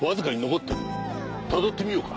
たどってみようか。